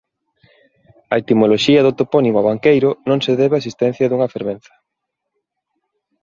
A etimoloxía do topónimo Abanqueiro non se debe á existencia dunha fervenza.